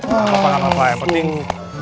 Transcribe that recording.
wah apa apa apa apa yang penting seri